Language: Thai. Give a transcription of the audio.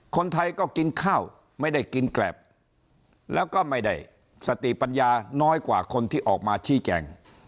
คนไทยก็กินข้าวไม่ได้กินแกรบแล้วก็ไม่ได้สติปัญญาน้อยกว่าคนที่ออกมาชี้แจง